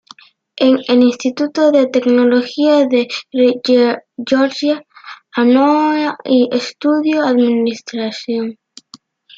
En el Instituto de Tecnología de Georgia, Anoa'i estudió administración.